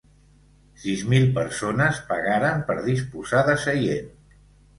Sis mil persones pagaren per disposar de seient.